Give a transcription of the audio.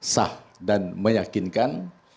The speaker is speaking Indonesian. sah dan meyakinkan